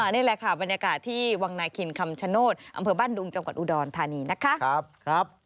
นี่แหละค่ะบรรยากาศที่วังนาคินคำชโนธอำเภอบ้านดุงจังหวัดอุดรธานีนะคะ